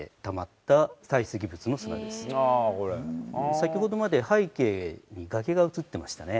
先ほどまで背景に崖が映ってましたね。